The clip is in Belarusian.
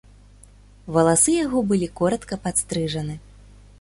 Валасы яго былі коратка падстрыжаны.